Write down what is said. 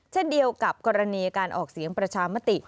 เช่นเดียวกับกรณีการออกเสียงประชามติ